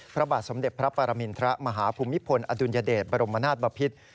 พระบาทสมเด็จพระปรมินทรมาฮภูมิพลอดุลยเดชบรมนาศบพิษ